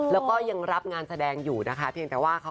รถกระบาดด้วยค่ะ